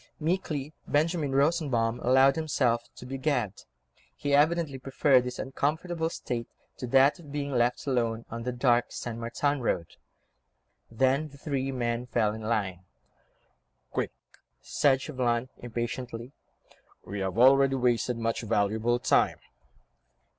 Meekly Benjamin Rosenbaum allowed himself to be gagged; he, evidently, preferred this uncomfortable state to that of being left alone, on the dark St. Martin Road. Then the three men fell in line. "Quick!" said Chauvelin, impatiently, "we have already wasted much valuable time."